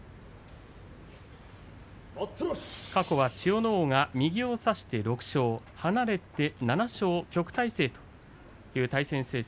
過去は千代ノ皇が右を差して６勝離れて７勝、旭大星という対戦成績。